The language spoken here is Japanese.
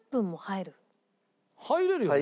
入れるよね。